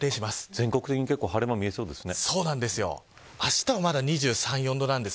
全国的に晴れ間が見えそうですね。